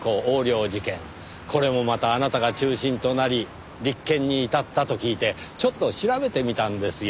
これもまたあなたが中心となり立件に至ったと聞いてちょっと調べてみたんですよ。